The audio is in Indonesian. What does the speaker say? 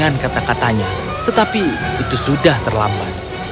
dia menangis dengan kata katanya tetapi itu sudah terlambat